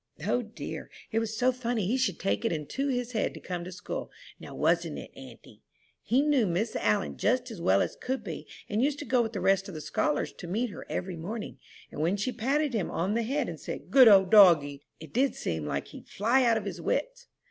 "O dear, it was so funny he should take it into his head to come to school, now wasn't it, auntie? He knew Miss All'n just as well as could be, and used to go with the rest of the scholars to meet her every morning; and when she patted him on the head, and said 'Good old doggie,' it did seem like he'd fly out of his wits."